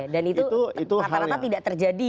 dan itu rata rata tidak terjadi